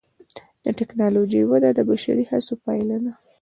د ټکنالوجۍ وده د بشري هڅو پایله ده.